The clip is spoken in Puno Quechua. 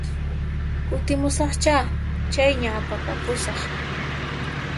Kutimusaqchá, chayña apakapusaq